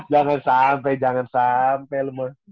jangan sampai jangan sampai